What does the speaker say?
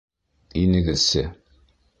Инегеҙсе